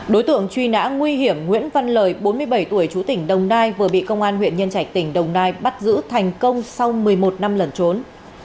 đối tượng truy nã nguy hiểm nguyễn văn lời bốn mươi bảy tuổi chú tỉnh đồng nai vừa bị công an huyện nhân trạch tỉnh đồng nai bắt giữ thành công sau một mươi một năm lần trốn